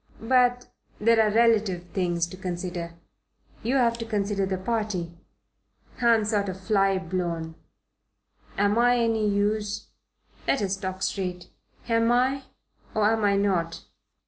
But there are relative things to consider. You have to consider the party. I'm sort of fly blown. Am I any use? Let us talk straight. Am I or am I not?"